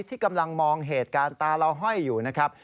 ที่กำลังมองเหตุการณ์ตาเราห้อยอยู่นะครับ